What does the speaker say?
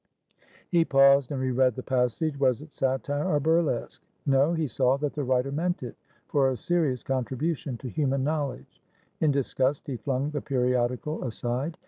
He paused, and re read the passage. Was it satire or burlesque? No, he saw that the writer meant it for a serious contribution to human knowledge. In disgust he flung the periodical aside.